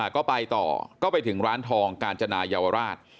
ก็ไปต่อก็ไปถึงร้านทองกาญจนาเยาวราช